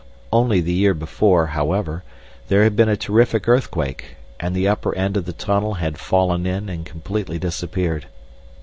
Only the year before, however, there had been a terrific earthquake, and the upper end of the tunnel had fallen in and completely disappeared.